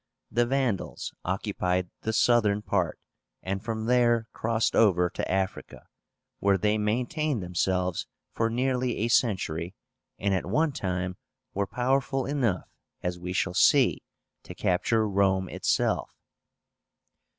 The Vandals occupied the southern part, and from there crossed over to Africa, where they maintained themselves for nearly a century, and at one time were powerful enough, as we shall see, to capture Rome itself.